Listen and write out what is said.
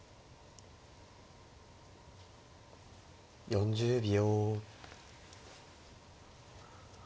４０秒。